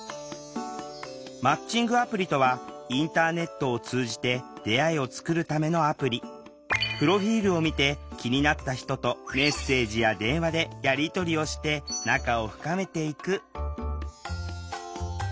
マッチングアプリとはインターネットを通じてプロフィールを見て気になった人とメッセージや電話でやり取りをして仲を深めていく。